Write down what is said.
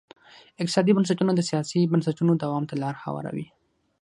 اقتصادي بنسټونه د سیاسي بنسټونو دوام ته لار هواروي.